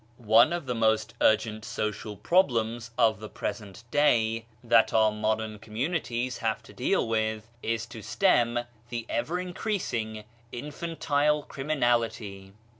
One of the most urgent social problems of the present day that our modern com 142 BAHAISM munities have to deal with, is to stem the ever increasing infantile criminality.